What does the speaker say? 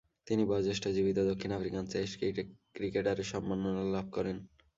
তিনি বয়োজ্যেষ্ঠ জীবিত দক্ষিণ আফ্রিকান টেস্ট ক্রিকেটারের সম্মাননা লাভ করেন।